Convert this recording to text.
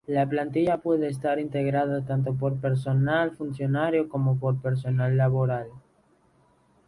La plantilla puede estar integrada tanto por personal funcionario como por personal laboral.